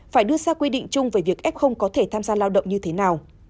phải đưa ra quy định chung về việc f có thể tham gia lao động như thế nào